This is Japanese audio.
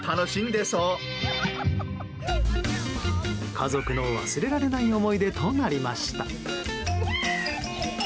家族の忘れられない思い出となりました。